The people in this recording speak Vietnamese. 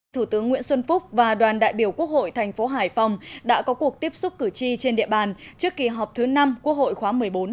thủ tướng nguyễn xuân phúc và đoàn đại biểu quốc hội thành phố hải phòng đã có cuộc tiếp xúc cử tri trên địa bàn trước kỳ họp thứ năm quốc hội khóa một mươi bốn